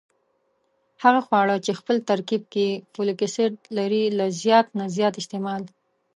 هغه خواړه چې خپل ترکیب کې فولک اسید لري له زیات نه زیات استعمال